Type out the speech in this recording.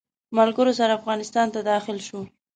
ملګرو سره افغانستان ته داخل شو.